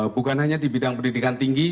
bukan hanya di bidang pendidikan tinggi